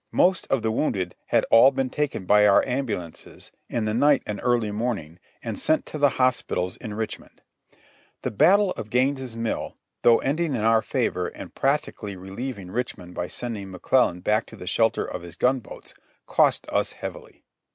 Most of the wounded had all been taken by our ambulances, in the night and early morning, and sent to the hospitals in Richmond. The battle of Ga'ines' Mill, though ending in our favor and practically relieving Richmond by send ing McClellan back to the shelter of his gunboats, cost us heavily.